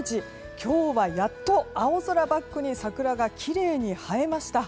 今日はやっと青空バックに桜がきれいに映えました。